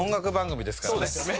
そうです。